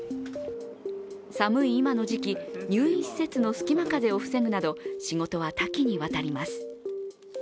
寒い今の時期、入院施設の隙間風を防ぐなど、仕事は多岐にわたります。